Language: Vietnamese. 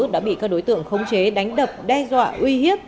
đã bị các đối tượng khống chế đánh đập đe dọa uy hiếp